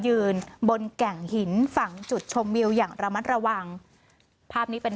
ยืนบนแก่งหินฝั่งจุดชมวิวอย่างระมัดระวังภาพนี้เป็น